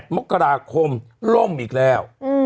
มกราคมล่มอีกแล้ว